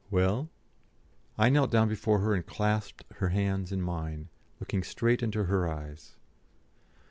"Well?" I knelt down before her and clasped her hands in mine, looking straight into her eyes.